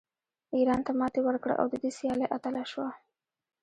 ایران ته ماتې ورکړه او د دې سیالۍ اتله شوه